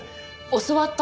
教わった？